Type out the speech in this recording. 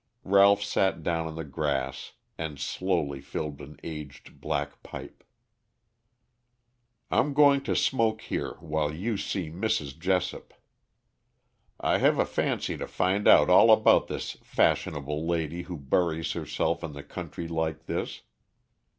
Ralph sat down on the grass and slowly filled an aged black pipe. "I'm going to smoke here while you see Mrs. Jessop. I have a fancy to find out all about this fashionable lady who buries herself in the country like this.